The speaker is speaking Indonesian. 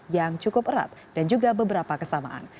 yang cukup erat dan juga beberapa kesamaan